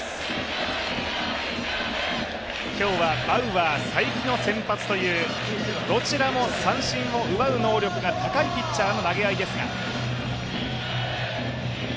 今日はバウアー、才木の先発というどちらも三振を奪う能力が高いピッチャーの投げ合いですが。